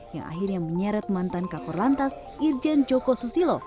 yang akhirnya menyeret mantan kakor lantas irjen joko susilo